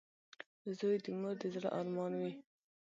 • زوی د مور د زړۀ ارمان وي.